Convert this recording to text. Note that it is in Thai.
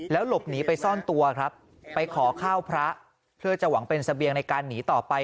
หลบหนีไปซ่อนตัวครับไปขอข้าวพระเพื่อจะหวังเป็นเสบียงในการหนีต่อไป